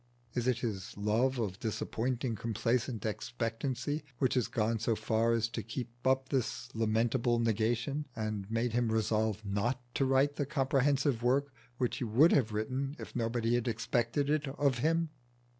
Is it his love of disappointing complacent expectancy which has gone so far as to keep up this lamentable negation, and made him resolve not to write the comprehensive work which he would have written if nobody had expected it of him?